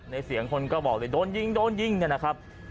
เสียงคนก็บอกเลยโดนยิงโดนยิงเนี่ยนะครับ